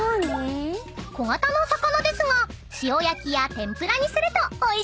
［小形の魚ですが塩焼きや天ぷらにするとおいしいんです］